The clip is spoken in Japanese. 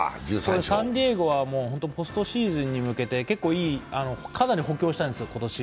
サンディエゴはポストシーズンに向けて、結構いい、かなり補強したんですよ今年。